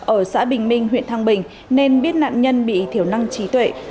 ở xã bình minh huyện thăng bình nên biết nạn nhân bị thiểu năng trí tuệ